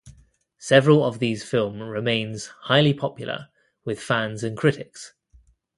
Several of these film remains highly popular with fans and critics.